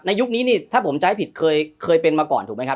ในยุคนี้ถ้าผมใจผิดเคยเป็นมาก่อนครับ